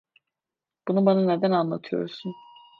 Bunu bana neden anlatıyorsun?